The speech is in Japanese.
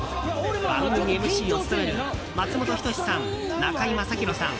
番組ＭＣを務める松本人志さん、中居正広さん